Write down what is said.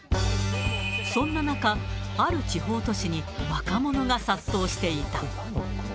そんな中、ある地方都市に、若者が殺到していた。